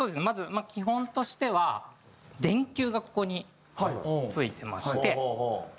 まず基本としては電球がここに付いてまして。